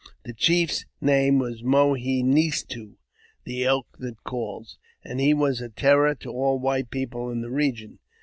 The chief's name was Mo he nes to (the Elk that Calls), and he was a terror to all white people in that region.